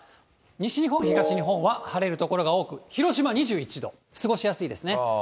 西日本、東日本は晴れる所が多く、広島２１度、過ごしやすいですね。